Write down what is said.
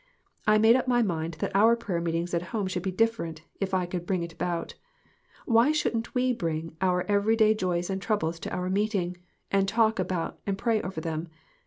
I made up my mind that our prayer meetings at home should be different if I could bring it about. Why shouldn't we bring our every day joys and troubles to our meetings, and talk and pray over them